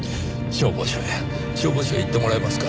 消防署へ行ってもらえますか？